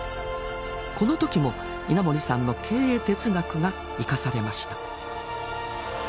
この時も稲盛さんの経営哲学が生かされました。